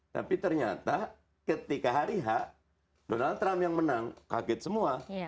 tapi ternyata ketika hari h donald trump yang menang kaget semua